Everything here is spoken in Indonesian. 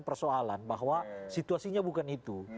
persoalan bahwa situasinya bukan itu